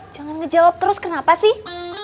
jangan ngejawab terus kenapa sih